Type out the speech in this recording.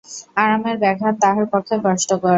আরামের ব্যাঘাত তাহার পক্ষে কষ্টকর।